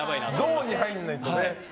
ゾーンに入らないとね。